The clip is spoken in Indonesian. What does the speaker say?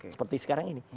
seperti sekarang ini